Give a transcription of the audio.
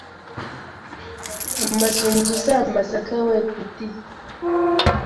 Amasunzu si amasaka we peti